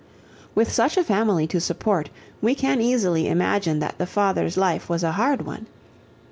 With such a family to support we can easily imagine that the father's life was a hard one.